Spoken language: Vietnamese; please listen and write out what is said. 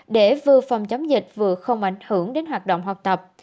để vừa phòng chống dịch vừa không ảnh hưởng đến hoạt động học tập